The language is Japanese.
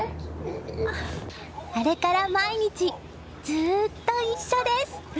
あれから毎日ずーっと一緒です！